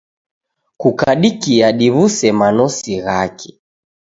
Kukadikia diw'use manosi ghake.